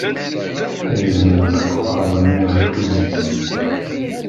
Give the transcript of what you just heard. Gzem lkaɣeḍ-nni ɣef uzgen.